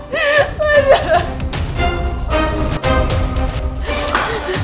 dia gak tau apa apa